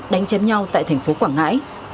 đánh chém nhau tại thành phố quảng ngãi